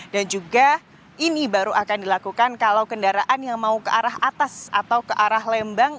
dan juga ini baru akan dilakukan kalau kendaraan yang mau ke arah atas atau ke arah lembang